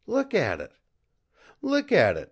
Look at it! look at it!